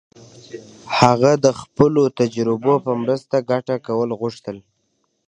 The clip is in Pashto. هغه د خپلو تجربو په مرسته ګټه کول غوښتل.